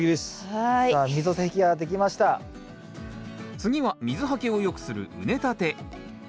次は水はけをよくする畝たて。